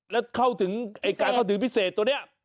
แล้วเข้าถึงการเข้าถึงพิเศษตัวนี้